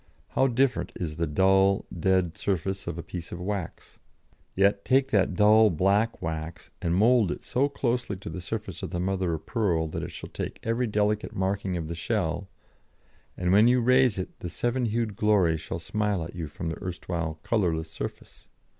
How different is the dull, dead surface of a piece of wax. Yet take that dull, black wax and mould it so closely to the surface of the mother of pearl that it shall take every delicate marking of the shell, and when you raise it the seven hued glory shall smile at you from the erstwhile colourless surface.